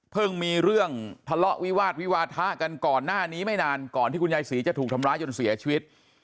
มีเรื่องทะเลาะวิวาสวิวาทะกันก่อนหน้านี้ไม่นานก่อนที่คุณยายศรีจะถูกทำร้ายจนเสียชีวิต